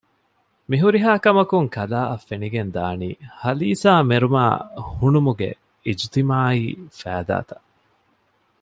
މިހުރިހާކަމަކުން ކަލާއަށް ފެނިގެންދާނީ ހަލީސާމެރުމާ ހުނުމުގެ އިޖުތިމާޢީ ފައިދާތައް